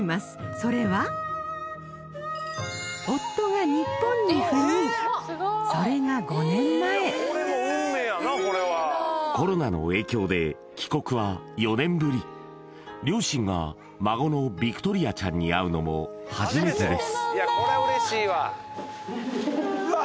それはそれが５年前コロナの影響で帰国は４年ぶり両親が孫のヴィクトリアちゃんに会うのも初めてです